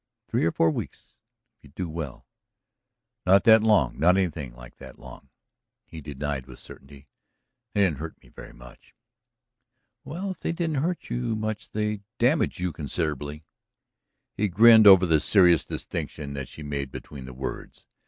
Three or four weeks, if you do well." "No, not that long, not anything like that long," he denied with certainty. "They didn't hurt me very much." "Well, if they didn't hurt you much they damaged you considerably." He grinned over the serious distinction that she made between the words.